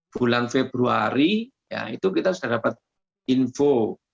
bulan februari itu kita sudah dapat info